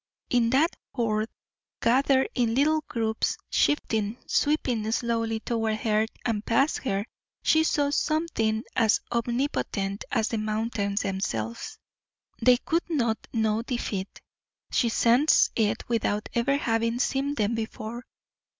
In that Horde, gathered in little groups, shifting, sweeping slowly toward her and past her, she saw something as omnipotent as the mountains themselves. They could not know defeat. She sensed it without ever having seen them before.